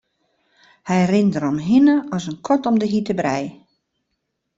Hy rint deromhinne rinne as de kat om de hjitte brij.